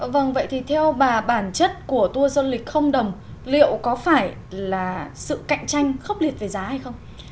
vâng vậy thì theo bà bản chất của tour du lịch không đồng liệu có phải là sự cạnh tranh khốc liệt về giá hay không